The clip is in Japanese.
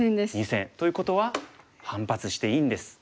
２線。ということは反発していいんです。